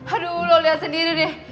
aduh lo lihat sendiri deh